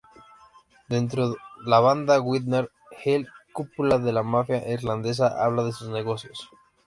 Dentro, la banda Winter Hill, cúpula de la mafia irlandesa, habla de sus negocios.